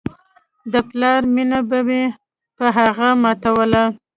د پلار مينه به مې په هغه ماتوله.